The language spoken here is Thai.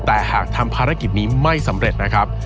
แต่หากทำภารกิจนี้ไม่สำเร็จนะครับ